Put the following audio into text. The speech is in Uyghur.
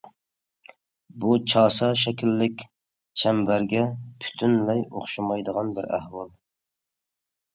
بۇ چاسا شەكىللىك چەمبەرگە پۈتۈنلەي ئوخشىمايدىغان بىر ئەھۋال.